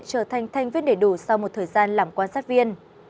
trở thành thành viên đầy đủ sau một thời gian làm quan sát viên